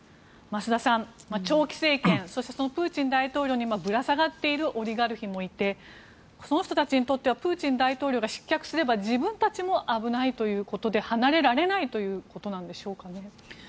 増田さん長期政権、プーチン大統領にぶら下がっているオリガルヒもいてその人たちにとってはプーチン大統領が失脚すれば自分たちも危ないということで離れられないということなんでしょうかね。